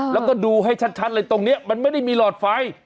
แล้วก็ดูให้ชัดเลยตรงนี้มันไม่ได้มีหลอดไฟ